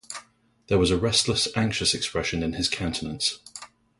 There was a restless, anxious expression in his countenance.